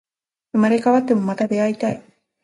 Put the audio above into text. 生まれ変わっても、また出会いたい